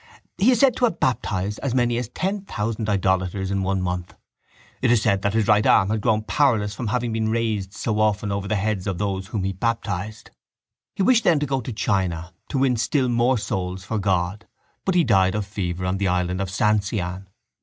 He is said to have baptised as many as ten thousand idolaters in one month. It is said that his right arm had grown powerless from having been raised so often over the heads of those whom he baptised. He wished then to go to China to win still more souls for God but he died of fever on the island of Sancian.